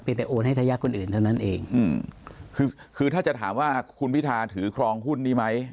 เป็นแต่โอนให้ทายาทคนอื่นเท่านั้นเองอืมคือคือถ้าจะถามว่าคุณพิธาถือครองหุ้นนี้ไหม